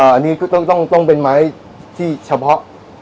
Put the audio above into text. อันนี้ก็ต้องเป็นไม้ที่เฉพาะ